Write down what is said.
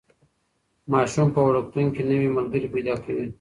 ماسوم په وړکتون کې نوي ملګري پیدا کوي.